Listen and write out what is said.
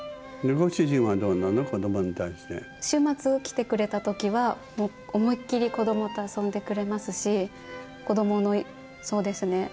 週末来てくれた時は、思いっきり子どもと遊んでくれますし子どものそうですね